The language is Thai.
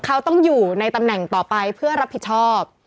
เขาต้องอยู่ในตำแหน่งต่อไปเพื่อรับผิดชอบ